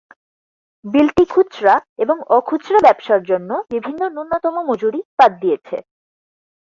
বিলটি খুচরা এবং অ-খুচরা ব্যবসার জন্য বিভিন্ন ন্যূনতম মজুরি বাদ দিয়েছে।